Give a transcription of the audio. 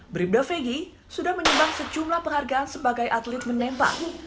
bribda fegi sudah menyumbang sejumlah penghargaan sebagai atlet menembak